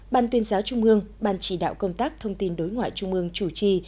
ban tuyên giáo trung mương ban chỉ đạo công tác thông tin đối ngoại trung ương chủ trì